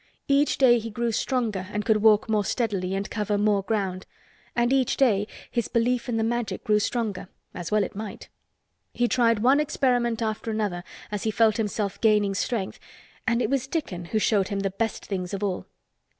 Each day he grew stronger and could walk more steadily and cover more ground. And each day his belief in the Magic grew stronger—as well it might. He tried one experiment after another as he felt himself gaining strength and it was Dickon who showed him the best things of all.